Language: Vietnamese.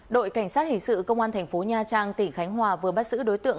đội cảnh sát hình sự công an tp nha trang tỉnh khánh hòa vừa bắt giữ đối tượng